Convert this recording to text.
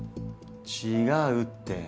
違うって。